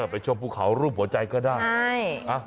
ไปชมภูเขารูปหัวใจก็ได้